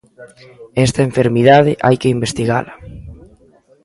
Esta enfermidade hai que investigala.